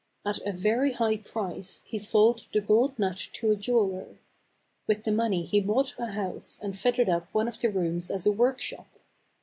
At a very high price he sold the gold nut to a jeweler; with the money he bought a house | and fitted up one of the rooms as a workshop.